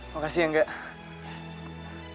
makasih ya nggak